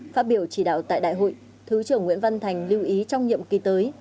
phát biểu chỉ đạo tại đại hội thứ trưởng nguyễn văn thành lưu ý trong nhiệm kỳ tới